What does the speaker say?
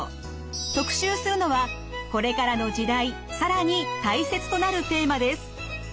特集するのはこれからの時代更に大切となるテーマです。